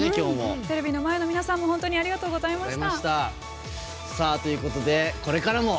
テレビの前の皆さんも本当にありがとうございました。